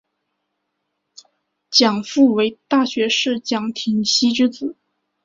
蒋溥为大学士蒋廷锡之子。